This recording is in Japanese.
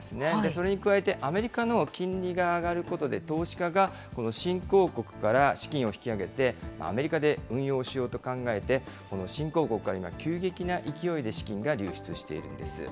それに加えて、アメリカの金利が上がることで、投資家がこの新興国から資金を引き揚げて、アメリカで運用しようと考えて、この新興国から今、急激な勢いで資金が流出しているんです。